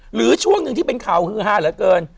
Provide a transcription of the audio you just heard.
ช่วงหนึ่งที่เป็นข่าวฮือฮาเหลือเกิน